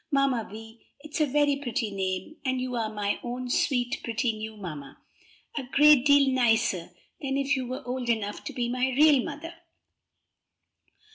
"Mamma Vi! it's a very pretty name, and you are my own sweet, pretty new mamma! A great deal nicer than if you were old enough to be my real mother."